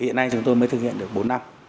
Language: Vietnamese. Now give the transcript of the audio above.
hiện nay chúng tôi mới thực hiện được bốn năm